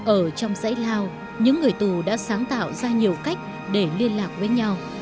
ở trong dãy lao những người tù đã sáng tạo ra nhiều cách để liên lạc với nhau